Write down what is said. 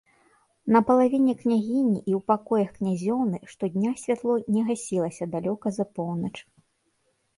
На палавіне княгіні і ў пакоях князёўны штодня святло не гасілася далёка за поўнач.